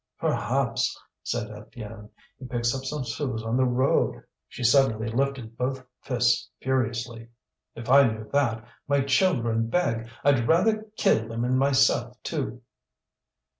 "Perhaps," said Étienne, "he picks up sous on the road." She suddenly lifted both fists furiously. "If I knew that! My children beg! I'd rather kill them and myself too."